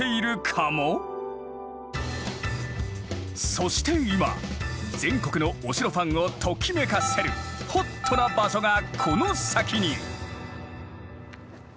そして今全国のお城ファンをときめかせるホットな場所がこの先に。